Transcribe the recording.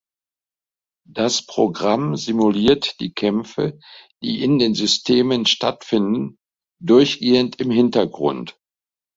Das Programm simuliert die Kämpfe, die in den Systemen stattfinden, durchgehend im Hintergrund.